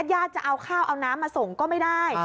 ญาติจะเอาข้าวเอาน้ำมาส่งก็ไม่ได้